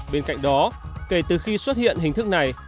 bên cạnh đó kể từ khi xuất hiện hình thức này